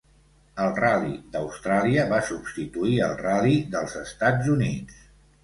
El ral·li d'Austràlia va substituir el ral·li dels Estats Units.